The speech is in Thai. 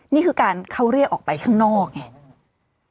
นี่คือการเขาเรียกออกไปข้างนอกไง